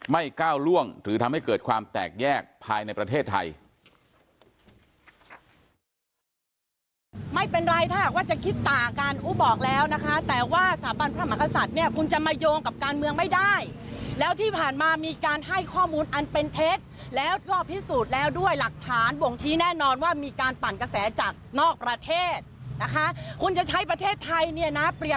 ก้าวล่วงหรือทำให้เกิดความแตกแยกภายในประเทศไทย